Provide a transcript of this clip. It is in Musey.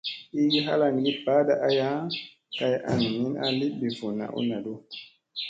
Iigi halangi baaɗa aya kay an min a li bivunna u naɗu.